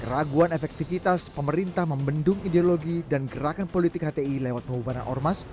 keraguan efektivitas pemerintah membendung ideologi dan gerakan politik hti lewat pembubaran ormas